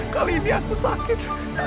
kali ini aku sakit